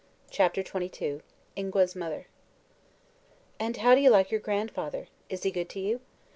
CHAPTER XXII INGUA'S MOTHER "And how do you like your grandfather? Is he good to you?"